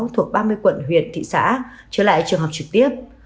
thuộc ba mươi quận huyện thị xã trở lại trường học trực tiếp